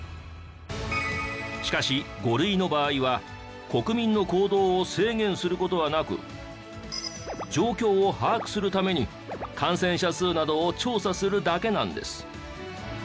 しかし５類の場合は国民の行動を制限する事はなく状況を把握するために感染者数などを調査するだけなんです。